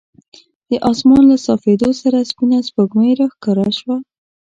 د اسمان له صافېدو سره سپینه سپوږمۍ راښکاره شوه.